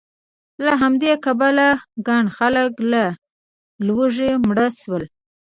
له همدې کبله ګڼ خلک له لوږې مړه شول